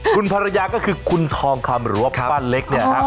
คุณภรรยาก็คือคุณทองคำหรือว่าป้าเล็กเนี่ยครับ